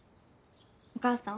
お母さん。